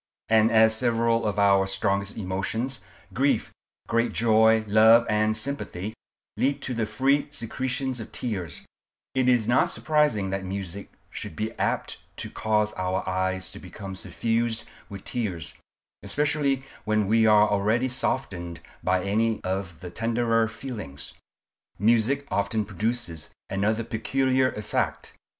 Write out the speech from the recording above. And as several of our strongest emotions—grief, great joy, love, and sympathy—lead to the free secretion of tears, it is not surprising that music should be apt to cause our eyes to become suffused with tears, especially when we are already softened by any of the tenderer feelings. Music often produces another peculiar effect.